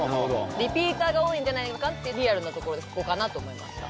リピーターが多いんじゃないのかっていうリアルなところでここかなと思いました